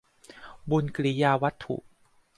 บุญกิริยาวัตถุ